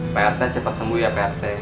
prt cepat sembuh ya prt